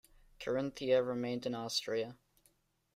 Carinthia remained in Austria.